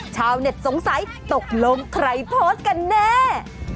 ชาวเน็ตสงสัยตกลงใครโพสต์กันแน่